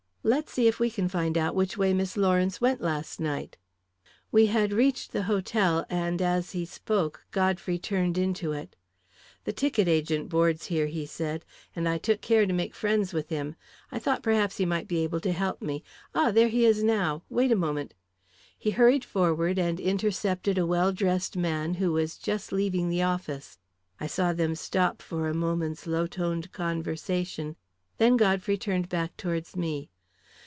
Let's see if we can find out which way Miss Lawrence went last night." We had reached the hotel, and, as he spoke, Godfrey turned into it. "The ticket agent boards here," he said, "and I took care to make friends with him. I thought perhaps he might be able to help me. Ah, there he is now. Wait a moment." He hurried forward and intercepted a well dressed man who was just leaving the office. I saw them stop for a moment's low toned conversation; then Godfrey turned back towards me.